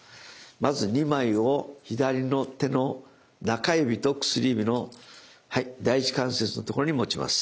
まず２枚を左の手の中指と薬指の第一関節のところに持ちます。